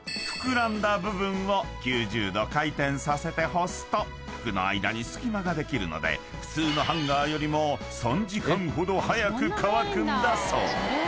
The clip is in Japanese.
［膨らんだ部分を９０度回転させて干すと服の間に隙間ができるので普通のハンガーよりも３時間ほど早く乾くんだそう］